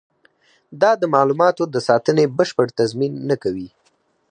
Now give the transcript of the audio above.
دا د معلوماتو د ساتنې بشپړ تضمین نه کوي.